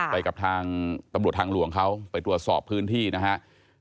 ไปกับทางตำรวจทางหลวงเขาไปตรวจสอบพื้นที่นะครับ